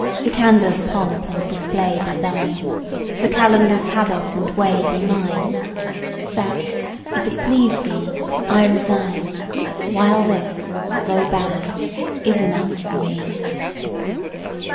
Sikandar's3 pomp and display be thine, the Qalandar's4 habit and way be mine; That, if it please thee, I resign, while this, though bad, is enough for me.